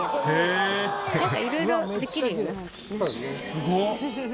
すごっ！